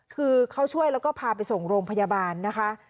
คือเขาช่วยแล้วก็พาไปส่งโรงพยาบาลนะคะ